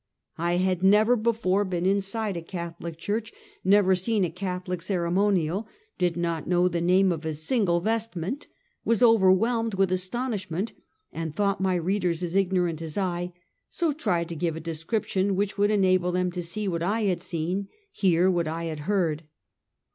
I had never before been inside a Catholic church; never seen a Catholic ceremonial ; did not know the name of a single vestment; was overwhelmed with astonish ment, and thought my readers as ignorant as I; so tried to give a description whicli would enable them to see what I had seen, hear what I had heard.